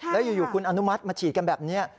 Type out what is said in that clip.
แล้วอยู่คุณอนุมัติมาฉีดกันแบบนี้